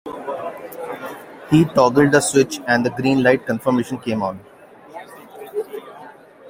He toggled the switch and the green light confirmation came on.